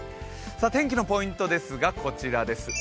天気のポイントですがこちらです。